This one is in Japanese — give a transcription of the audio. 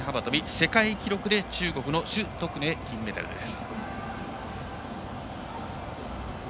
世界記録で中国の朱徳寧金メダルです。